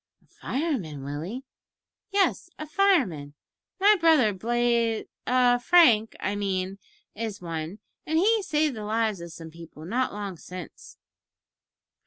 "A fireman, Willie?" "Yes, a fireman. My brother, Blaz a Frank, I mean, is one, and he saved the lives of some people not long since."